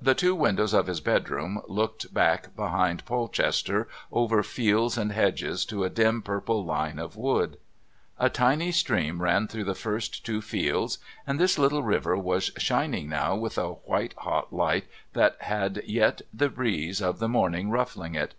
The two windows of his bedroom looked back behind Polchester over fields and hedges to a dim purple line of wood. A tiny stream ran through the first two fields, and this little river was shining now with a white hot light that had yet the breeze of the morning ruffling it.